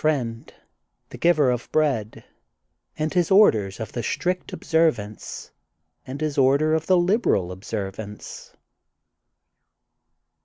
FRIEND, THE OIYBE OF BREAD, AND HIS ORDER OF THE STRICT OBSERV ANCE AND HIS ORDER OF THE lilBERAIi OBSERVANCE.